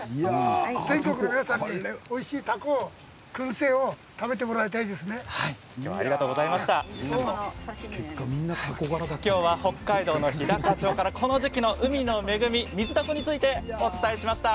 全国の皆さんにおいしいくん製をきょうは北海道日高町からこの時期の海の恵みミズダコについてお伝えしました。